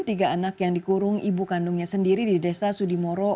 tiga anak yang dikurung ibu kandungnya sendiri di desa sudimoro